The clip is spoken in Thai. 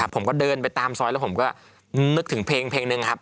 ผมก็เดินไปตามซอยแล้วผมก็นึกถึงเพลงหนึ่งครับ